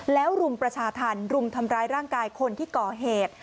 แล้วรุมประชาธรรมรุมทำร้ายร่างกายคนที่ก่อเหตุ